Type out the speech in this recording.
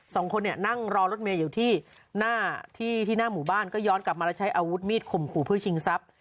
สองคนเนี่ยนั่งรอรถเมย์อยู่ที่หน้าที่ที่หน้าหมู่บ้านก็ย้อนกลับมาแล้วใช้อาวุธมีดข่มขู่เพื่อชิงทรัพย์